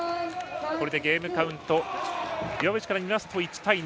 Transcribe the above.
これでゲームカウント岩渕から見ますと１対２。